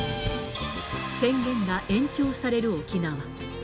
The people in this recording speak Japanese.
宣言が延長される沖縄。